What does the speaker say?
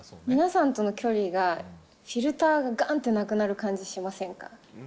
皆さんとの距離が、フィルターががんってなくなる感じしませんか？